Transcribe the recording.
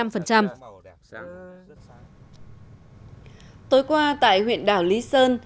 tối qua tại huyện đảo lý sơn